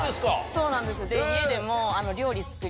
そうなんです。